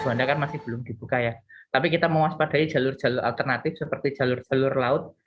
juanda kan masih belum dibuka ya tapi kita mewaspadai jalur jalur alternatif seperti jalur jalur laut